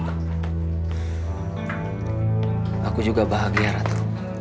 hai aku juga bahagia ratu